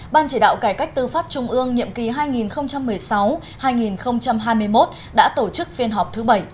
ban chỉ đạo cải cách tư pháp trung ương nhiệm kỳ hai nghìn một mươi sáu hai nghìn hai mươi một đã tổ chức phiên họp thứ bảy